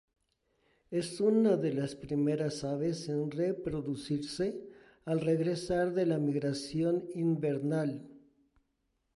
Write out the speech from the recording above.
Es una de las primeras aves en reproducirse al regresar de la migración invernal.